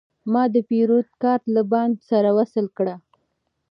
ما د پیرود کارت له بانک سره وصل کړ.